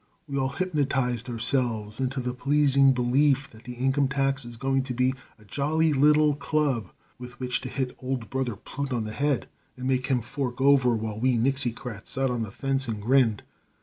We all hypnotized ourselves into the pleasing belief that the income tax was going to be a jolly little club with which to hit old Brother Plute on the head, and make him fork over, while we Nixicrats sat on the fence and grinned.